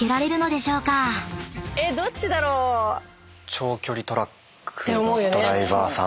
長距離トラックのドライバーさん。